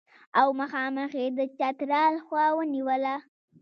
او مخامخ یې د چترال خوا ونیوله.